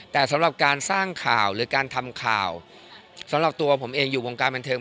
แต่สำหรับการสร้างข่าวหรือการทำข่าวสำหรับตัวผมเองอยู่วงการบันเทิง